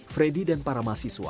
freddy dan para mahasiswa